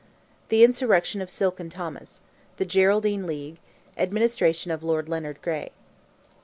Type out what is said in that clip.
THE INSURRECTION OF SILKEN THOMAS—THE GERALDINE LEAGUE—ADMINISTRATION OF LORD LEONARD GRAY.